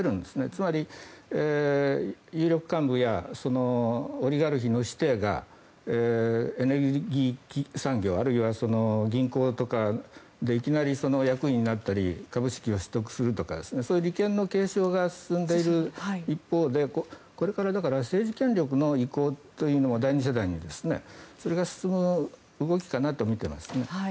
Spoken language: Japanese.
つまり有力幹部やそのオリガルヒの子弟がエネルギー産業あるいは銀行とかのいきなり役員になったり株式を取得するとかそういう利権の継承が進んでいる一方これから政治権力の移行というのも第２世代にそれが進む動きかなとみていますね。